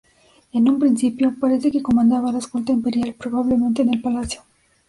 En un principio, parece que comandaba la escolta imperial, probablemente en el palacio.